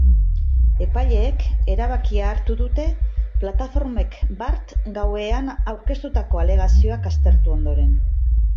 Epaileek erabakia hartu dute plataformek bart gauean aurkeztutako alegazioak aztertu ondoren.